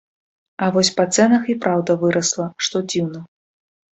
А вось па цэнах і праўда вырасла, што дзіўна.